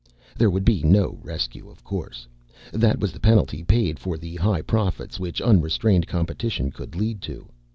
There would be no rescue, of course. That was the penalty paid for the high profits which unrestrained competition could lead to.